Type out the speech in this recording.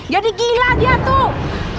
jadi gila dia tuh